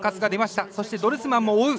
そしてドルスマンも追う。